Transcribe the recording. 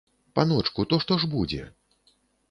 Паночку, то што ж будзе?